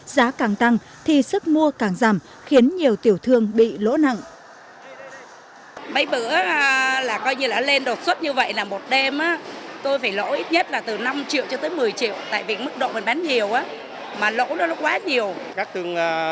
giá càng tăng thì sức mua càng giảm khiến nhiều tiểu thương bị lỗ nặng